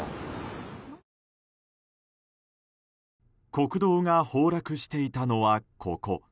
国道が崩落していたのはここ。